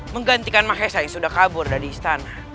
menggantikan mahesa yang sudah kabur dari istana